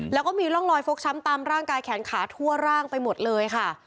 แล้วก็มีร่องรอยฟกช้ำตามร่างกายแขนขาทั่วร่างไปหมดเลยค่ะ